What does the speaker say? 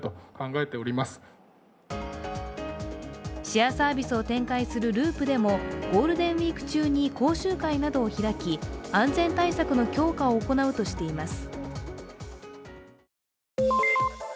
シェアサービスを展開するＬＵＵＰでもゴールデンウイーク中に講習会などを開き、安全対策の強化を行うとしています。